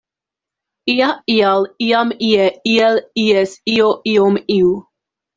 Ia, ial, iam, ie, iel, ies, io, iom, iu.